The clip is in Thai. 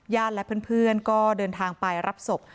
และเพื่อนก็เดินทางไปรับศพ